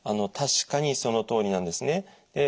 確かにそのとおりなんですね。